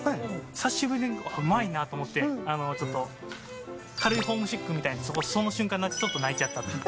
久しぶりにうまいなと思って、ちょっと軽いホームシックみたいに、そこ、その瞬間、ちょっと泣いちゃったっていう。